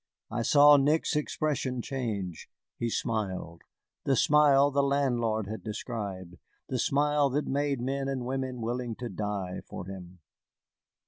I saw Nick's expression change. He smiled, the smile the landlord had described, the smile that made men and women willing to die for him.